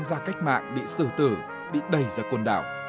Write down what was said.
ra cách mạng bị sử tử bị đẩy ra quần đảo